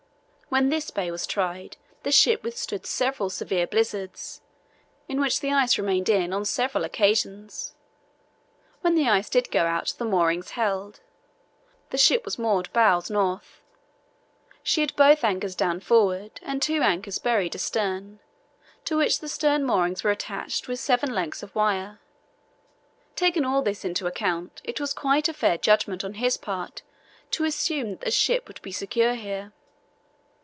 When this bay was tried the ship withstood several severe blizzards, in which the ice remained in on several occasions. When the ice did go out the moorings held. The ship was moored bows north. She had both anchors down forward and two anchors buried astern, to which the stern moorings were attached with seven lengths of wire. Taking all this into account, it was quite a fair judgment on his part to assume that the ship would be secure here.